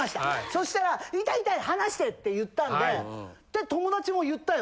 そしたら「痛い痛い離して！」って言ったんで「友達も言ったよな？